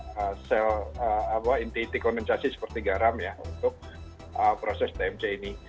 jadi kita harus mempercepat sel inti inti kondensasi seperti garam untuk proses tmc ini